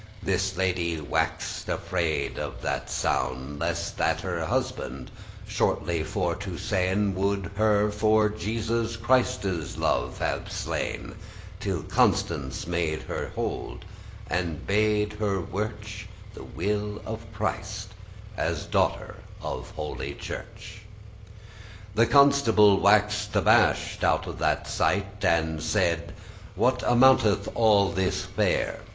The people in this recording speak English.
This lady *wax'd afrayed of that soun',* *was alarmed by that cry* Lest that her husband, shortly for to sayn, Would her for Jesus Christe's love have slain, Till Constance made her hold, and bade her wirch* *work The will of Christ, as daughter of holy Church The Constable wax'd abashed* of that sight, *astonished And saide; *"What amounteth all this fare?"